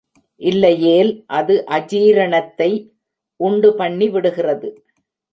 இல்லையேல் அது அஜீரணத்தை உண்டுபண்ணிவிடுகிறது.